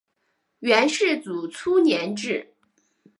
元世祖初年置。